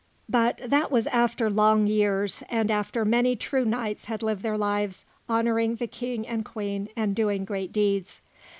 But that was after long years, and after many true knights had lived their lives, honouring the King and Queen, and doing great deeds.